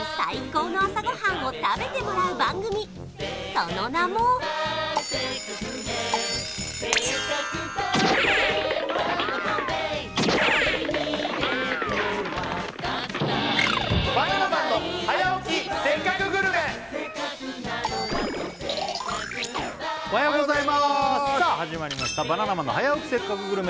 その名もおはようございますおはようございますさあ始まりました「バナナマンの早起きせっかくグルメ！！」